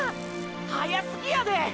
早すぎやでー！！